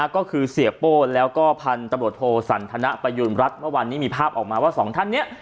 ก็คือเสียโป้แล้วก็พันธุ์ตำรวจโทสันทนประยูณรัฐเมื่อวานนี้มีภาพออกมาว่าสองท่านเนี่ย